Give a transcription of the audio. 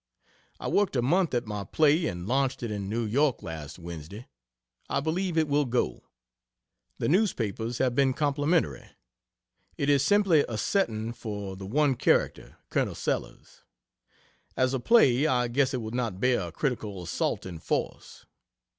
I worked a month at my play, and launched it in New York last Wednesday. I believe it will go. The newspapers have been complimentary. It is simply a setting for the one character, Col. Sellers as a play I guess it will not bear a critical assault in force.